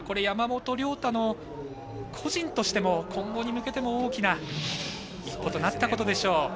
山本涼太の個人としても今後に向けても大きなものとなったことでしょう。